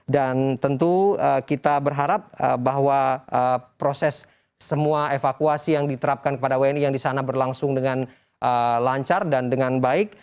dan tentu kita berharap bahwa proses semua evakuasi yang diterapkan kepada wni yang di sana berlangsung dengan lancar dan dengan baik